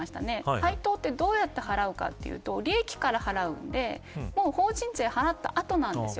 配当は、どうやって払うかというと利益から払うので法人税を払った後なんですよ。